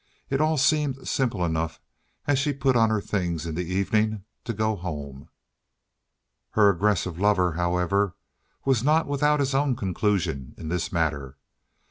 It all seemed simple enough as she put on her things in the evening to go home. Her aggressive lover, however, was not without his own conclusion in this matter.